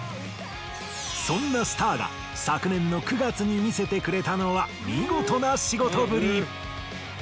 そんなスターが昨年の９月に見せてくれたのは見事な仕事ぶり。